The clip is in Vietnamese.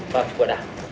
và của đảng